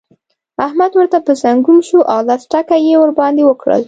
احمد ورته پر ځنګون شو او لس ټکه يې ور باندې وکړل.